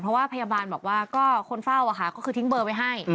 เพราะว่าพยาบาลบอกว่าก็คนเฝ้าก็คือทิ้งเบอร์ไว้ให้